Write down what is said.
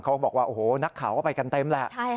เขาบอกว่าโอ้โหนักข่าวก็ไปกันเต็มแหละ